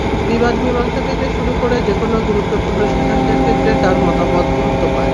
বিবাদ-মীমাংসা থেকে শুরু করে যেকোনো গুরুত্বপূর্ণ সিদ্ধান্তের ক্ষেত্রে তার মতামত গুরুত্ব পায়।